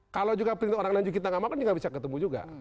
kalau juga penyintu orang lanjut kita gak mau kan juga gak bisa ketemu juga